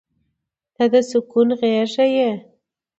• ته د سکون غېږه یې.